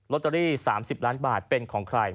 ตเตอรี่๓๐ล้านบาทเป็นของใคร